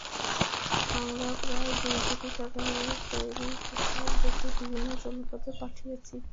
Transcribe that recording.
আমরা প্রায় দুই কোটি টাকার তৈরি পোশাক দেশের বিভিন্ন জনপদে পাঠিয়েছি।